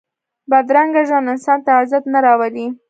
بدرنګه ژوند انسان ته عزت نه راولي